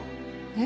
えっ？